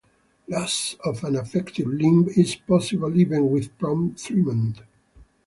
Loss of an affected limb is possible even with prompt treatment.